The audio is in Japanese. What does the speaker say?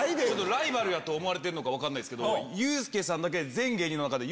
ライバルと思われてんのか分かんないっすけどユースケさんだけ全芸人の中で。